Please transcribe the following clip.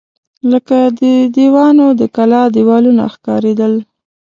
لکه د دیوانو د کلا دېوالونه ښکارېدل.